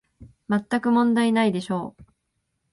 まったく問題ないでしょう